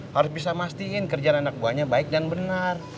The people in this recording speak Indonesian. harus bisa memastikan kerjaan anak buahnya baik dan benar